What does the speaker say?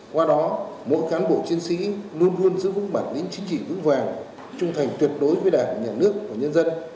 qua đó mỗi cán bộ chiến sĩ luôn luôn giữ vững bản lĩnh chính trị vững vàng trung thành tuyệt đối với đảng nhà nước và nhân dân